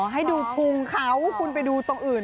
อ๋อให้ดูคุณของเขาคุณไปดูตรงอื่น